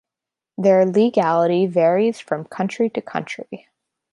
Their legality varies from country to country.